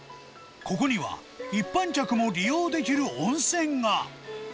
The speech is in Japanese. ここには、一般客も利用できる温泉が。